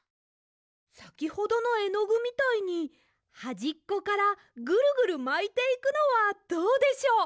さきほどのえのぐみたいにはじっこからぐるぐるまいていくのはどうでしょう？